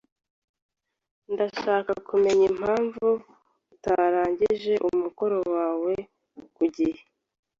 Ndashaka kumenya impamvu utarangije umukoro wawe ku gihe.